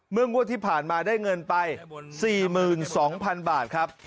เมื่องวดที่ผ่านมาได้เงินไปสี่หมื่นสองพันบาทครับ